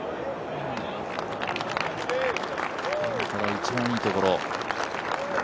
一番いいところ。